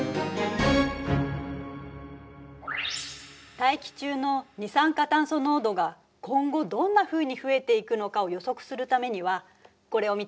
大気中の二酸化炭素濃度が今後どんなふうに増えていくのかを予測するためにはこれを見て。